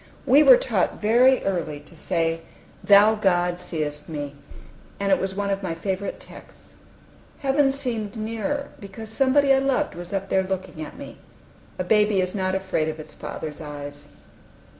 We were taught very early to say "Thou, God, seest me"; and it was one of my favorite texts. Heaven seemed nearer, because somebody I loved was up there looking at me. A baby is not afraid of its father's eyes.